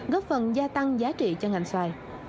góp phần gia tăng giá trị cho ngành xoài